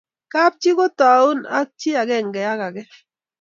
kab chi kotaun ak chi akenge ak ake